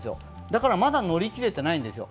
だからまだ乗り切れてないんですよ。